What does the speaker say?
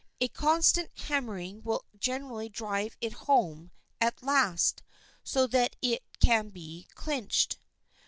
A constant hammering will generally drive it home at last so that it can be clinched.